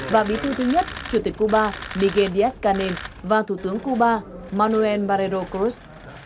và bí thư thứ nhất chủ tịch cuba miguel díaz canel và thủ tướng cuba manuel barreiro cruz